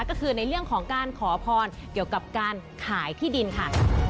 ก็คือในเรื่องของการขอพรเกี่ยวกับการขายที่ดินค่ะ